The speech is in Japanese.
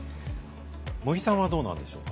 茂木さんはどうなんでしょうか？